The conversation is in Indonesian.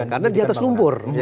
karena di atas lumpur